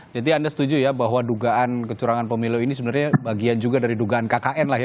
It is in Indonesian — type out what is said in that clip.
jadi anda setuju ya bahwa dugaan kecurangan pemilu ini sebenarnya bagian juga dari dugaan kkn lah ya